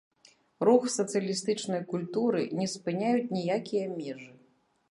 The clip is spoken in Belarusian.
Рух сацыялістычнай культуры не спыняюць ніякія межы.